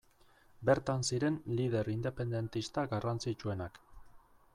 Bertan ziren lider independentista garrantzitsuenak.